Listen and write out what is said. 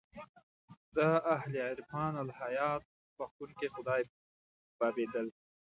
د اهل عرفان الهیات بخښونکی خدای بابېدل.